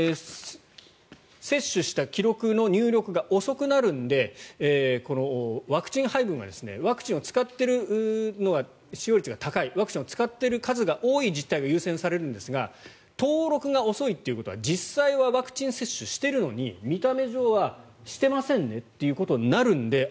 接種した記録の入力が遅くなるのでワクチン配分がワクチンを使っている使用率が高いワクチンを使っている数が多い自治体が優先されるんですが登録が遅いということは実際はワクチン接種してるのに見た目上はしてませんねということになるのであ、